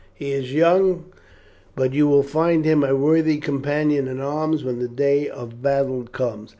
He is young, but you will find him a worthy companion in arms when the day of battle comes."